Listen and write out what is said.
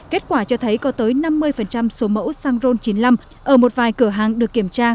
kết quả cho thấy có tới năm mươi số mẫu xăng ron chín mươi năm ở một vài cửa hàng được kiểm tra